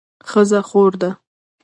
ښځه خور ده